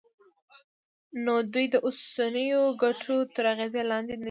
نو دوی د اوسنیو ګټو تر اغېز لاندې ندي.